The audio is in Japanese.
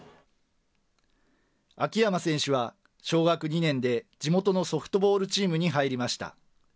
秋山選手は小学２年で地元のソフトボールチームに入りました。